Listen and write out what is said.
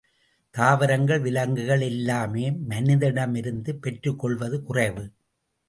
தாவரங்கள், விலங்குகள் எல்லாமே மனிதனிடமிருந்து பெற்றுக் கொள்வது குறைவு.